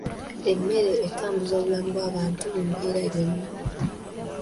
Emmere etambuza obulamu bw'abantu mu mbeera yonna